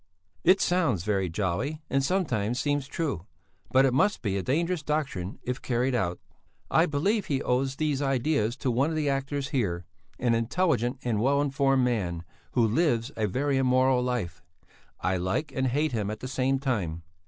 It sounds very jolly and sometimes seems true, but it must be a dangerous doctrine if carried out. "I believe he owes these ideas to one of the actors here, an intelligent and well informed man, who lives a very immoral life; I like and hate him at the same time.